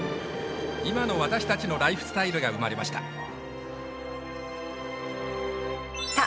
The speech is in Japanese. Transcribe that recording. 今の私たちのライフスタイルが生まれましたさあ